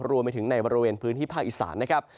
รวมไปถึงในบริเวณพื้นที่ภาคอีสานนะครับ